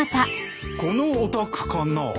このお宅かな？